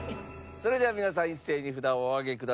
それでは皆さん一斉に札をお上げください。